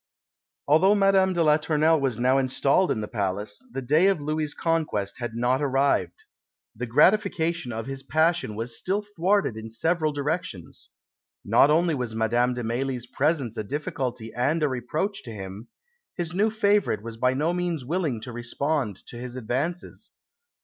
Although Madame de la Tournelle was now installed in the palace, the day of Louis' conquest had not arrived. The gratification of his passion was still thwarted in several directions. Not only was Madame de Mailly's presence a difficulty and a reproach to him; his new favourite was by no means willing to respond to his advances.